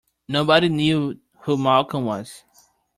Nobody knew who Malcolm was.